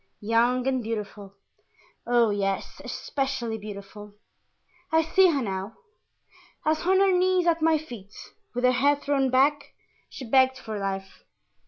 "Young and beautiful. Oh, yes, especially beautiful. I see her now, as on her knees at my feet, with her head thrown back, she begged for life.